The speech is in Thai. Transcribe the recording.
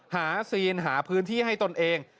ซีนหาพื้นที่ให้ตนเอง